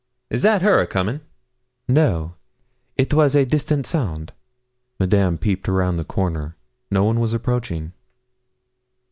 Is that her a coming?' 'No; it was a distant sound.' Madame peeped round the corner. No one was approaching.